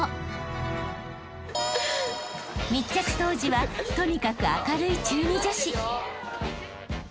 ［密着当時はとにかく明るい中２女子］